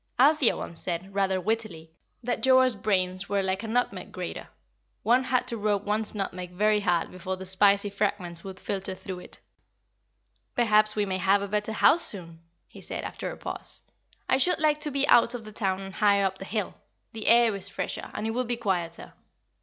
Althea once said, rather wittily, that Joa's brains were like a nutmeg grater one had to rub one's nutmeg very hard before the spicy fragments would filter through it. "Perhaps we may have a better house soon!" he said, after a pause. "I should like to be out of the town and higher up the hill. The air is fresher, and it would be quieter."